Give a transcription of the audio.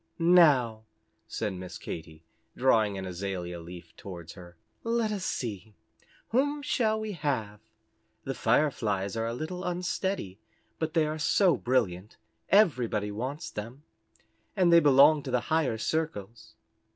"Now," said Miss Katy, drawing an azalia leaf towards her, "let us see whom shall we have? The Fireflies are a little unsteady, but they are so brilliant, everybody wants them and they belong to the higher circles."